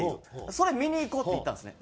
「それ見にいこう」って行ったんですね。